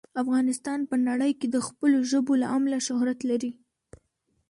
افغانستان په نړۍ کې د خپلو ژبو له امله شهرت لري.